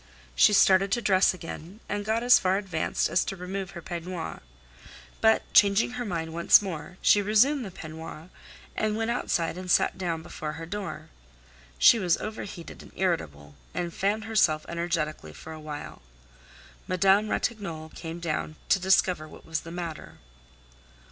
She started to dress again, and got as far advanced as to remove her peignoir. But changing her mind once more she resumed the peignoir, and went outside and sat down before her door. She was overheated and irritable, and fanned herself energetically for a while. Madame Ratignolle came down to discover what was the matter.